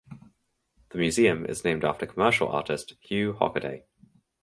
The museum is named after commercial artist Hugh Hockaday.